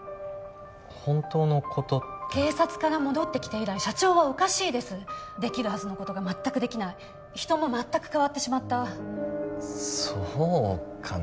本当のことって警察から戻ってきて以来社長はおかしいですできるはずのことが全くできない人も全く変わってしまったそうかな？